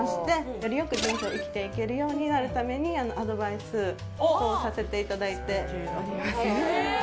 よりよく人生を生きていけるようになるためにアドバイスをさせていただいております。